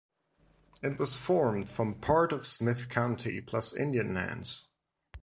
It was formed from part of Smith County plus Indian lands.